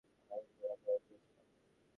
যতটা দ্রুত পারা যায় চালিয়েছিলাম।